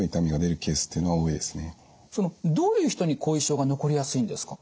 そのどういう人に後遺症が残りやすいんですか？